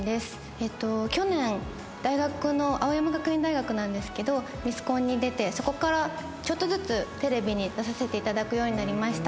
去年大学の青山学院大学なんですけどミスコンに出てそこからちょっとずつテレビに出させて頂くようになりました。